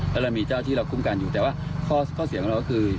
แล้วเรามีเจ้าที่เราคุ้มกันอยู่แต่ว่าข้อเสียงของเราก็คือ